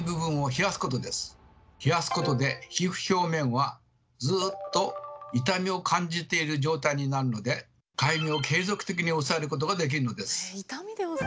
冷やすことで皮膚表面はずっと痛みを感じている状態になるのでかゆみを継続的に抑えることができるのです。